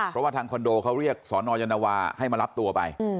เพราะว่าทางคอนโดเขาเรียกสนวาให้มารับตัวไป